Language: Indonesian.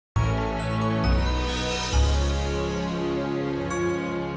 sampai jumpa di video selanjutnya